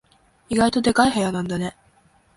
意外とでかい部屋なんだね。